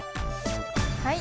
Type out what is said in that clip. はい！